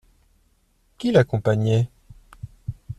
Qui l’accompagnait ?